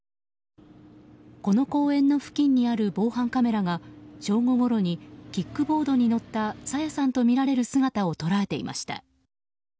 この公園の付近にある防犯カメラが正午ごろにキックボードに乗った朝芽さんとみられる姿を捉えていました。